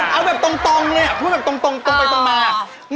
เอาแบบตรงเลยพูดแบบตรงไปตรงมา